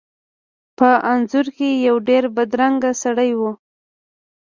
په انځور کې یو ډیر بدرنګه سړی و.